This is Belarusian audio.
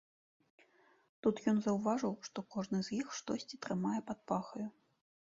Тут ён заўважыў, што кожны з іх штосьці трымае пад пахаю.